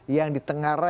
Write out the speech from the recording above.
yang di tengah